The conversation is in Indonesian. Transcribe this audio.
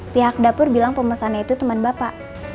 pihak dapur bilang pemesannya itu teman bapak